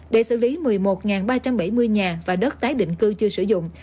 để xử lý một mươi một ba trăm bảy mươi nhà và đất tái định cư chưa sử dụng